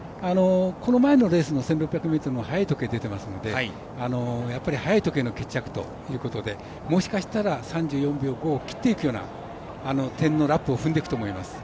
この前のレースの１６００ｍ早い時計出ていますのでやっぱり早い時計の決着ということでもしかしたら３４秒５を切っていくようなラップを踏んでいくと思います。